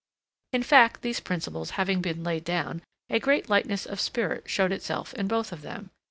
In fact, these principles having been laid down, a great lightness of spirit showed itself in both of them.